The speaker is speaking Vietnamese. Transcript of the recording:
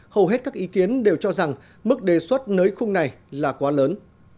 hầu hết các ý kiến đều cho rằng mức đề xuất nới khung này là quá lớn